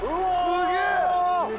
すげえ！